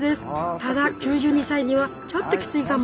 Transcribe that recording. ただ９２歳にはちょっとキツいかも。